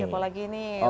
oh seperti ini